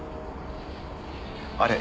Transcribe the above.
あれ？